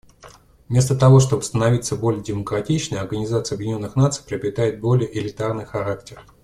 Вместо того чтобы становиться более демократичной, Организация Объединенных Наций приобретает более элитарный характер.